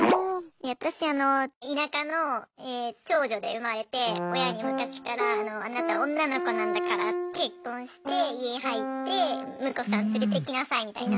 私あの田舎の長女で生まれて親に昔から「あなた女の子なんだから結婚して家入って婿さん連れてきなさい」みたいな。